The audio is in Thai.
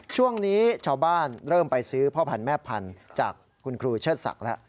ช่วงนี้ชาวบ้านเริ่มไปซื้อพ่อพันธ์แม่พันธุ์จากคุณครูเชิดศักดิ์แล้ว